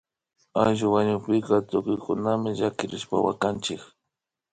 Ayllu wañukpika tukuykunami llakirishpa wakanchik